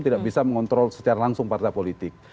tidak bisa mengontrol secara langsung partai politik